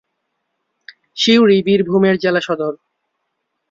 সিউড়ি বীরভূমের জেলাসদর।